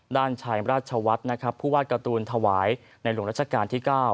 ด้านชายมราชวัตต์ผู้วาดการ์ตูนถวายในหลวงรัชกาลที่๙